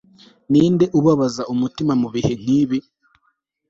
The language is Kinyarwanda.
ninde ubabaza umutima mubihe nkibi